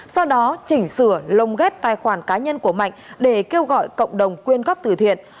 sau đó chỉnh sửa lồng ghép tài khoản cá nhân của mạnh để kêu gọi cộng đồng quyên góp từ thiện